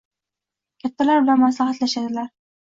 kattalar bilan maslahatlashadilar